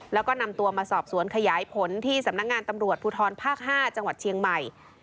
แล้วก็นำตัวมาสอบสวนขยายผลที่สำนักงานตำรวจภูทรภาค๕จังหวัดเชียงใหม่